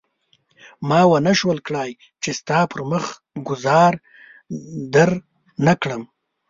ما ونه شول کړای چې ستا پر مخ ګوزار درنه کړم.